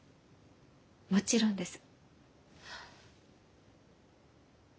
もちろんです。